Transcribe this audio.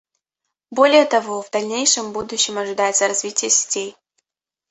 Более того, в дальнейшем будущем ожидается развитие сетей